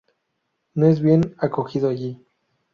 No es bien acogido allí.